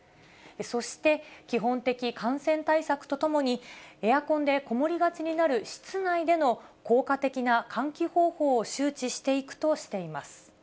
そして、基本的感染対策とともに、エアコンで籠りがちになる室内での効果的な換気方法を周知していくとしています。